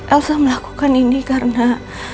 elsa melakukan ini karena